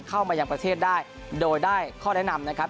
เข้ามายังประเทศได้โดยได้ข้อแนะนำนะครับ